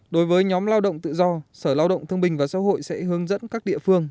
đối với nhóm lao động tự do sở lao động thương bình và xã hội sẽ hướng dẫn các địa phương